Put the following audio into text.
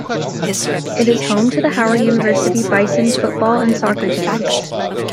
It is home to the Howard University Bison football and soccer teams.